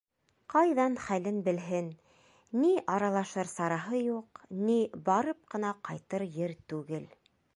Ҡайҙан хәлен белһен, ни аралашыр сараһы юҡ, ни барып ҡына ҡайтыр ер түгел.